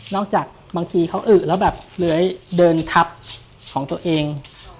จากบางทีเขาอึแล้วแบบเลื้อยเดินทับของตัวเอง